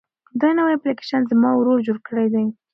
دا نوی اپلیکیشن زما ورور جوړ کړی دی.